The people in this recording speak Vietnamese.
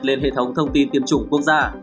lên hệ thống thông tin tiêm chủng quốc gia